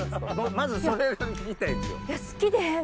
まずそれが聞きたいですよ。